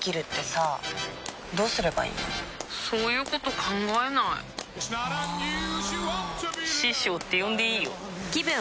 そういうこと考えないあ師匠って呼んでいいよぷ